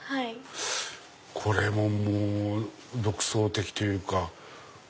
これももう独創的というか。